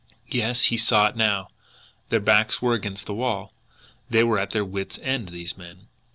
Yes, he saw it now! Their backs were against the wall, they were at their wits' end, these men!